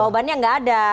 jawabannya tidak ada